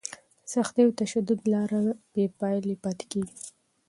د سختي او تشدد لاره بې پایلې پاتې کېږي.